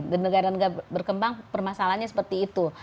di negara negara berkembang permasalahannya seperti itu